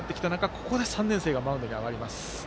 ここで３年生がマウンドに上がります。